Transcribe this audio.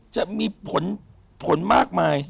จะมีผลมากมาย